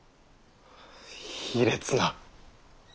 卑劣な！